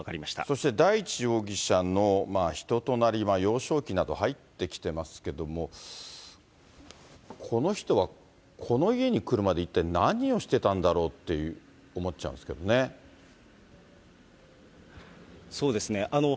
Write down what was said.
そして大地容疑者の人となり、幼少期など入ってきてますけど、この人は、この家に来るまで一体何をしていたんだろうって思っちゃうんですそうですね。